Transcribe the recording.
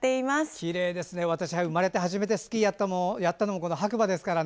きれいですね生まれて初めてスキーやったのも私、この白馬ですからね。